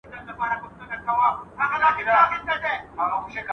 هر څوک له خپله سره اور وژني.